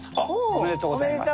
おめでとうございます。